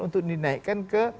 untuk dinaikkan ke